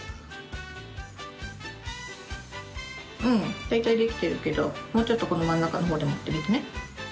うん。大体できてるけどもうちょっとこの真ん中の方で持ってみてね。